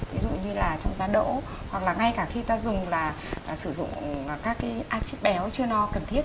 ví dụ như là trong gia đỗ hoặc là ngay cả khi ta dùng là sử dụng các cái icid béo chưa no cần thiết